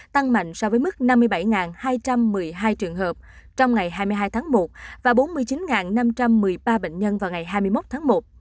tăng mạnh so với mức năm mươi bảy hai trăm một mươi hai trường hợp trong ngày hai mươi hai tháng một và bốn mươi chín năm trăm một mươi ba bệnh nhân vào ngày hai mươi một tháng một